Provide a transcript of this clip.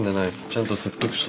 ちゃんと説得した。